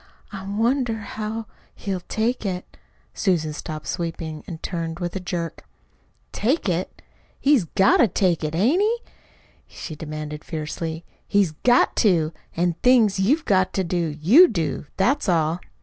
"I wonder how he'll take it." Susan stopped sweeping and turned with a jerk. "Take it? He's got to take it, hain't he?" she demanded fiercely. "He's GOT TO! An' things you've got to do, you do. That's all.